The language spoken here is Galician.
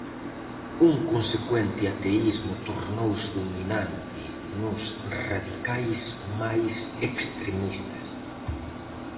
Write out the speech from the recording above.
Un consecuente ateísmo tornouse dominante nos radicais máis extremistas.